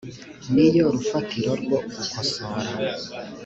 ni yo rufatiro rwo gukosora